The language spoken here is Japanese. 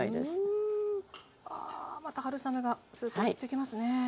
あまた春雨がスープ吸ってきますね。